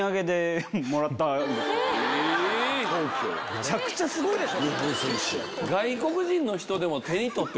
むちゃくちゃすごいでしょ。